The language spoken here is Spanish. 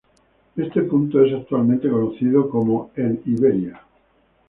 Este punto es actualmente conocido como El Iberia.